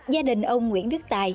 gia đình ông nguyễn đức tài